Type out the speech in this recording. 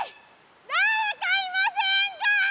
だれかいませんか？